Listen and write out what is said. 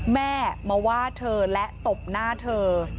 แม่มาว่าเธอและตบหน้าเธอ